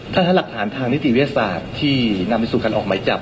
ถ้าหลักฐานทางนิติเวศาสตร์ที่นำไปสู่การออกไม้จับ